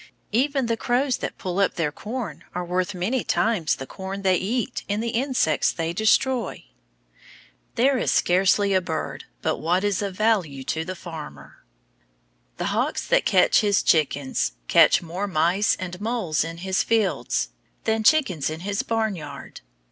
Even the crows that pull up their corn are worth many times the corn they eat in the insects they destroy. There is scarcely a bird but what is of value to the farmer. The hawks that catch his chickens catch more mice and moles in his fields, than chickens in his barn yard.